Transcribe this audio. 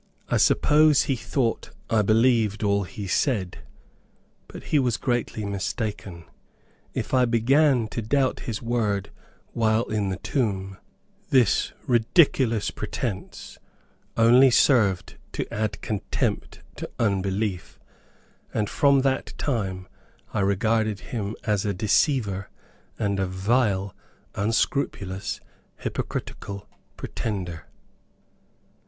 I suppose he thought I believed all he said, but he was greatly mistaken. If I began to doubt his word while in the tomb, this ridiculous pretence only served to add contempt to unbelief, and from that time I regarded him as a deceiver, and a vile, unscrupulous, hypocritical pretender.